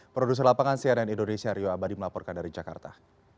produser lapangan cnn indonesia rio abadi melaporkan dari jakarta